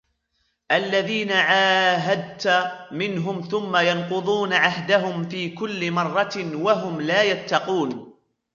الَّذِينَ عَاهَدْتَ مِنْهُمْ ثُمَّ يَنْقُضُونَ عَهْدَهُمْ فِي كُلِّ مَرَّةٍ وَهُمْ لَا يَتَّقُونَ